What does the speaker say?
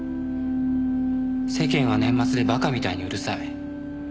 「世間は年末でばかみたいにうるさい」